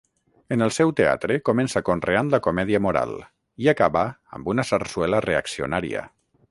En el seu teatre comença conreant la comèdia moral i acaba amb una sarsuela reaccionària.